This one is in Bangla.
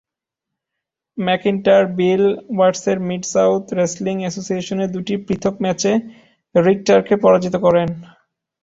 ম্যাকইন্টার বিল ওয়াটসের মিড-সাউথ রেসলিং এসোসিয়েশনের দুটি পৃথক ম্যাচে রিখটারকে পরাজিত করেন।